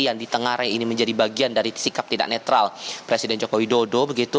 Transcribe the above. yang ditengarai ini menjadi bagian dari sikap tidak netral presiden joko widodo begitu